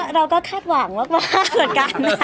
เราก็คาดหวังมาก